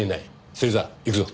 芹沢行くぞ。